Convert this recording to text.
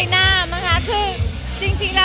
น่าจะเป็นทั้งใบหน้า